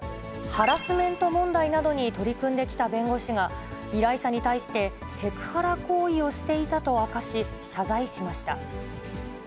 ハラスメント問題などに取り組んできた弁護士が、依頼者に対して、セクハラ行為をしていたと明かし、謝罪しました。